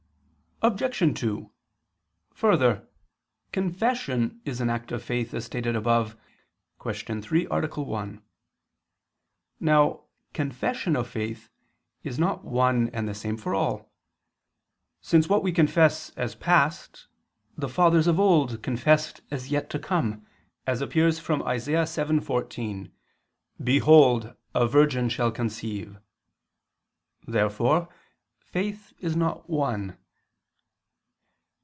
Obj. 2: Further, confession is an act of faith, as stated above (Q. 3, A. 1). Now confession of faith is not one and the same for all: since what we confess as past, the fathers of old confessed as yet to come, as appears from Isa. 7:14: "Behold a virgin shall conceive." Therefore faith is not one.